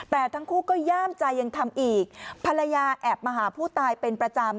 แต่ทั้งคู่ก็ย่ามใจยังทำอีกภรรยาแอบมาหาผู้ตายเป็นประจำ